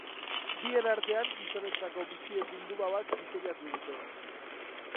Bien artean, gizonentzako bitxien bilduma bat diseinatu dute.